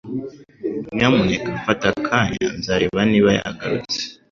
Nyamuneka fata akanya. Nzareba niba yagarutse.